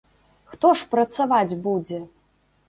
Хто ж працаваць будзе?